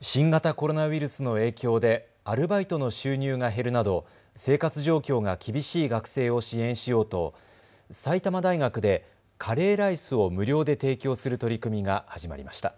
新型コロナウイルスの影響でアルバイトの収入が減るなど生活状況が厳しい学生を支援しようと埼玉大学でカレーライスを無料で提供する取り組みが始まりました。